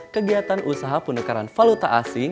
kegiatan usaha penukaran valuta asing